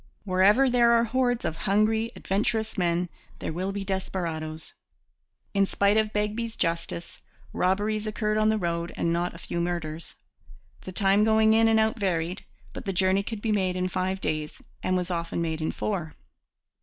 Wherever there are hordes of hungry, adventurous men, there will be desperadoes. In spite of Begbie's justice, robberies occurred on the road and not a few murders. The time going in and out varied; but the journey could be made in five days and was often made in four.